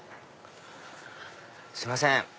すいません。